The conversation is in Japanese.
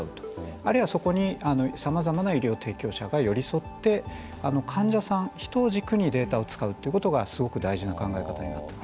あるいはそこにさまざまな医療提供者が寄り添って患者さん、人を軸にデータを使うということがすごく大事な考え方になっています。